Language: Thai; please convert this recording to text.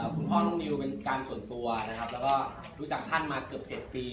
คุณพ่อน้องนิวเป็นการส่วนตัวนะครับแล้วก็รู้จักท่านมาเกือบ๗ปี